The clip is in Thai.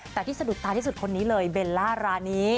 แต่ที่สะดุดสุดครับนี้เลยเบลล่ารานี้